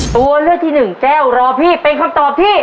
ตัวเลือกที่หนึ่งแก้วรอพี่เป็นคำตอบที่